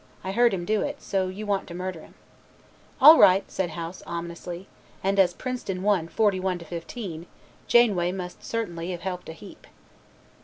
I heard him do it, so you want to murder him." "All right," said House, ominously, and as Princeton won, 41 to 15, Janeway must certainly have helped a heap.